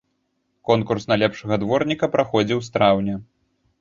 Конкурс на лепшага дворніка праходзіў з траўня.